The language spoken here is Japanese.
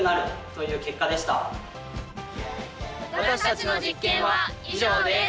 私たちの実験は以上です！